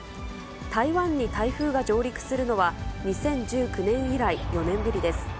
台湾に台風が上陸するのは、２０１９年以来、４年ぶりです。